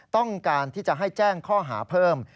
ต้องการที่จะให้แจ้งข้อหาเพิ่ม